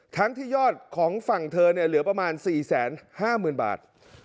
ทั้งที่ยอดของฝั่งเธอเหลือประมาณ๔๕๐๐๐บาท